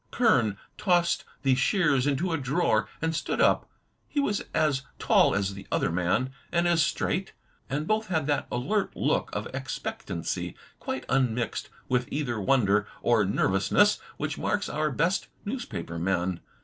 Kern tossed the shears into a drawer, and stood up. He was as tall as the other man, and as straight; and both had that alert look of expectancy, quite unmixed with either wonder or nervousness, which marks our best newspaper men.